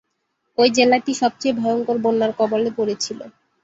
ওই জেলাটি সবচেয়ে ভয়ঙ্কর বন্যার কবলে পড়েছিল।